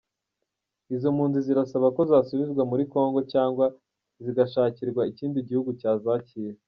Izo mpunzi zirasaba ko zasubizwa muri Kongo cyangwa zigashakirwa ikindi gihugu cyazakira.